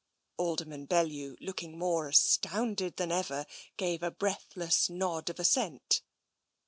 Alderman Bellew, looking more astounded than ever, gave a breathless nod of assent.